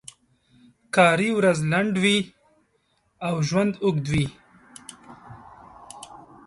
کار ورځ لنډوي او ژوند اوږدوي.